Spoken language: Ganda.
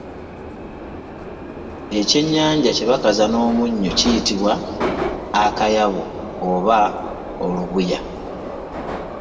Ekyennyanja kye bakaza n’omunnyo kiyitibwa Akayabu oba Olubunya